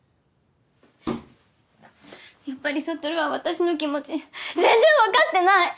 やっぱり悟は私の気持ち全然分かってない！